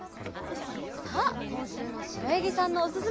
さあこんしゅうのしろやぎさんのおすすめさくひんは？